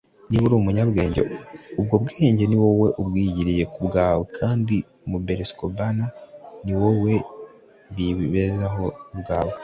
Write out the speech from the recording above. niba uri umunyabwenge, ubwo bwenge ni wowe ubwigiriye ku bwawe, kandi numberskobana ni wowe biziberaho ubwawe”